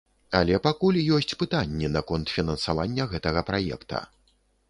Але пакуль ёсць пытанні наконт фінансавання гэтага праекта.